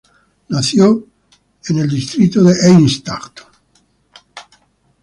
Nació en el Obispado de Eichstätt.